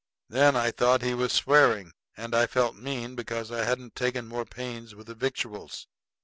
Then I thought he was swearing; and I felt mean because I hadn't taken more pains with the victuals.